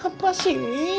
apa sih ini